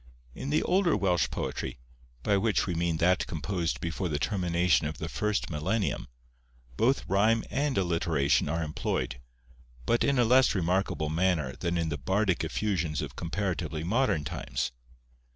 In the older Welsh poetry, by which we mean that composed before the termination of the first millennium, both rhyme and alliteration are employed, but in a less remarkable manner than in the bardic effusions of comparatively modern times.